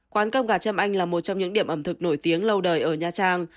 quán cơm gà châm anh là một trong những điểm ẩm thực nổi tiếng lâu đời ở nha trang